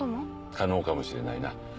可能かもしれないな。